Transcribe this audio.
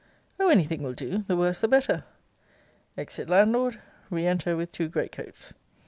O, any thing will do! The worse the better. Exit Landlord. Re enter with two great coats.